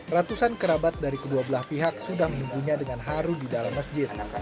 ratusan kerabat dari kedua belah pihak sudah menunggunya dengan haru di dalam masjid